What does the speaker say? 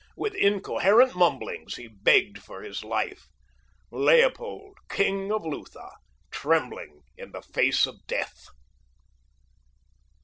With incoherent mumblings he begged for his life. Leopold, King of Lutha, trembling in the face of death!